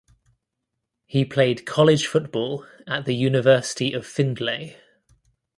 He played college football at the University of Findlay.